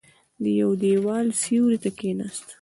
د يوه دېوال سيوري ته کېناست.